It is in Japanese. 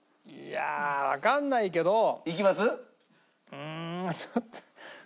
うんちょっと。